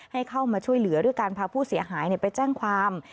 ให้เข้ามาช่วยเหลือด้วยการพาผู้เสียหายไปแจ้งความ